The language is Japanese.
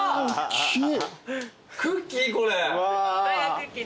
クッキー？